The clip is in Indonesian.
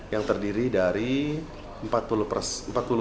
yang terdiri dari empat puluh persen